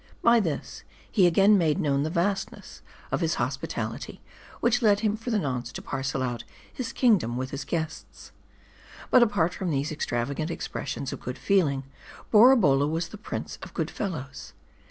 By this, he again made known the vastness of his hos pitality, which led him for the nonce to parcel out his king dom with his guests. But apart from these extravagant expressions of good feeling, Boraholla was the prince of good fellows.